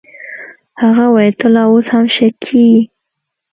هغه وويل ته لا اوس هم شک کيې.